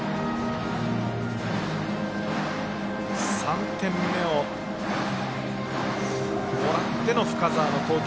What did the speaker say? ３点目をもらっての深沢の投球。